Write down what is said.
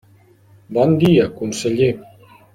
Bon dia, conseller.